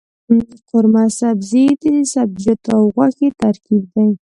قورمه سبزي د سبزيجاتو او غوښې ترکیب دی.